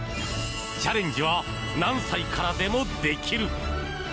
チャレンジは何歳からでもできる。